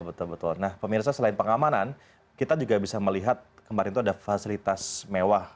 betul betul nah pemirsa selain pengamanan kita juga bisa melihat kemarin itu ada fasilitas mewah